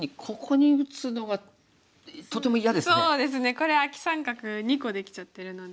これアキ三角２個できちゃってるので。